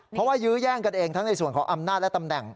เพราะว่ายื้อแย่งกันเองทั้งในส่วนของอำนาจและตำแหน่ง